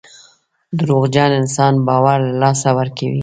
دروغجن انسان باور له لاسه ورکوي.